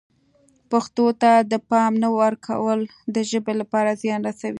پښتو ته د پام نه ورکول د ژبې لپاره زیان رسوي.